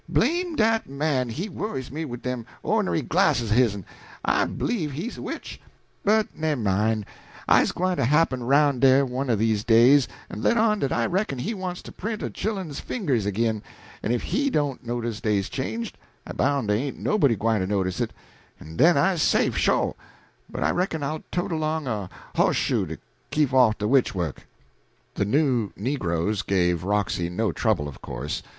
Blame dat man, he worries me wid dem ornery glasses o' hisn; I b'lieve he's a witch. But nemmine, I's gwine to happen aroun' dah one o' dese days en let on dat I reckon he wants to print de chillen's fingers ag'in; en if he don't notice dey's changed, I bound dey ain't nobody gwine to notice it, en den I's safe, sho'. But I reckon I'll tote along a hoss shoe to keep off de witch work." The new negroes gave Roxy no trouble, of course.